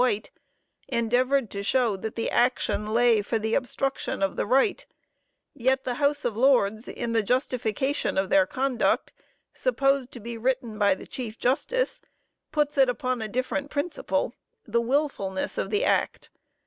White_, endeavored to show that the action lay for the obstruction of the right, yet the House of Lords, in the justification of their conduct, supposed to be written by the Chief Justice, puts it upon a different principle, the wilfulness of the act.